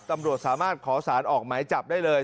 ตำรวจสามารถขอสารออกหมายจับได้เลย